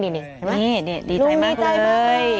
นี่ดีใจมากเลย